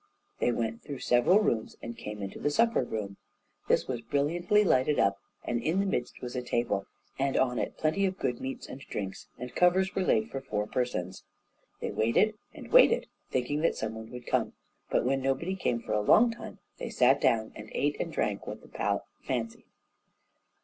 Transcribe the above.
They went through several rooms, and came into the supper room. This was brilliantly lighted up, and in the midst was a table, and on it plenty of good meats and drinks, and covers were laid for four persons. They waited and waited, thinking that some one would come: but when nobody came for a long time, they sat down and ate and drank what the palate fancied.